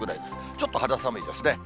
ちょっと肌寒いですね。